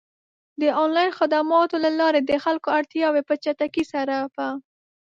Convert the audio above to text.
د آنلاین خدماتو له لارې د خلکو اړتیاوې په چټکۍ سره پ